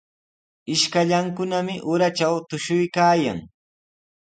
Ishkallankunami uratraw tushuykaayan.